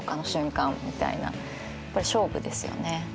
やっぱり勝負ですよね。